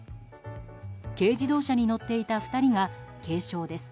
軽自動車に乗っていた２人が軽傷です。